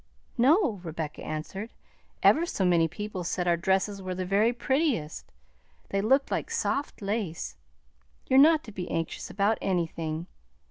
"No," Rebecca answered. "Ever so many people said our dresses were the very prettiest; they looked like soft lace. You're not to be anxious about anything.